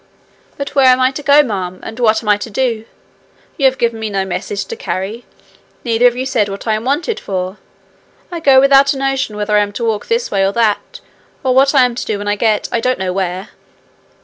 'But where am I to go, ma'am, and what am I to do? You have given me no message to carry, neither have you said what I am wanted for. I go without a notion whether I am to walk this way or that, or what I am to do when I get I don't know where.'